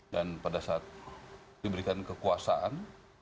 dan pada saat diberikan kekuasaan